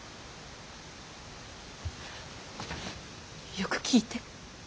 よく聞いて。